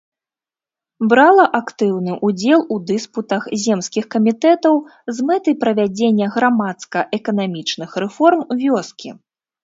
Брала актыўны ўдзел у дыспутах земскіх камітэтаў, з мэтай правядзення грамадска-эканамічных рэформ вёскі.